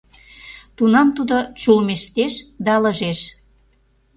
Тунам тудо чулымештеш да ылыжеш.